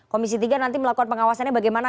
komisi tiga nanti melakukan pengawasannya bagaimana